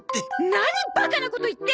何バカなこと言ってんの！